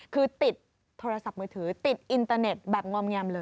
คือติดโทรศัพท์มือถือติดอินเตอร์เน็ตแบบงอมแงมเลย